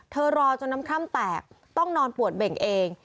รอจนน้ำคร่ำแตกต้องนอนปวดเบ่งเอง